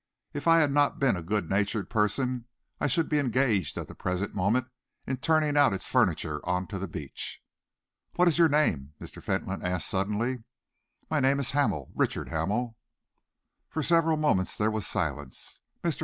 If I had not been a good natured person, I should be engaged, at the present moment, in turning out its furniture on to the beach." "What is your name?" Mr. Fentolin asked suddenly. "My name is Hamel Richard Hamel." For several moments there was silence. Mr.